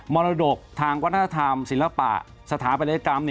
มรดกทางวัฒนธรรมศิลปะสถาปัตยกรรม